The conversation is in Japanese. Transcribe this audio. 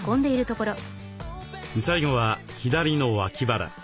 最後は左の脇腹。